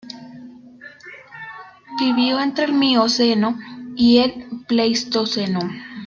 Vivió entre el Mioceno y el Pleistoceno.